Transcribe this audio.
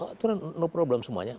aturan no problem semuanya